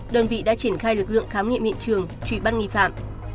đơn vị đã triển khai lực lượng khám nghiệm hiện trường truy bắt nghi phạm